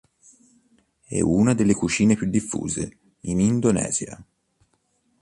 È una delle cucine più diffuse in Indonesia.